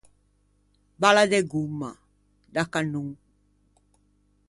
Balla de gomma, da cannon.